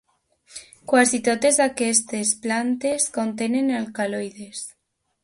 Quasi totes aquestes plantes contenen alcaloides.